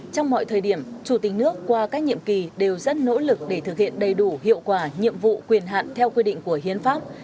trong mọi thời điểm chủ tịch nước qua các nhiệm kỳ đều rất nỗ lực để thực hiện đầy đủ hiệu quả nhiệm vụ quyền hạn theo quy định của hiến pháp